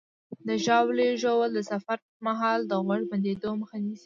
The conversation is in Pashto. د ژاولې ژوول د سفر پر مهال د غوږ بندېدو مخه نیسي.